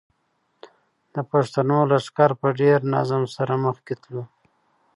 د پښتنو لښکر په ډېر نظم سره مخکې تلو.